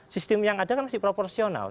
sistem yang ada kan masih proporsional